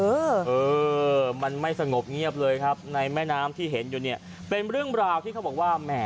เออเออมันไม่สงบเงียบเลยครับในแม่น้ำที่เห็นอยู่เนี่ยเป็นเรื่องราวที่เขาบอกว่าแหม